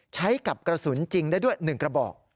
ใช้กับกระสุนจริงได้ด้วย๑กระบอก